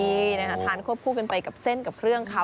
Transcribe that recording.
นี่นะคะทานควบคู่กันไปกับเส้นกับเครื่องเขา